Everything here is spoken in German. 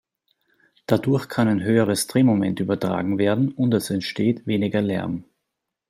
Dadurch kann ein höheres Drehmoment übertragen werden und es entsteht weniger Lärm.